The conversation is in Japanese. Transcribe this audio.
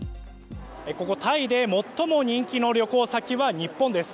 ここタイで最も人気の旅行先は日本です。